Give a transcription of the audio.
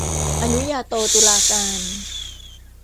อนุญาโตตุลาการ